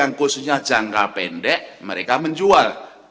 yang khususnya jangka pendek mereka menjual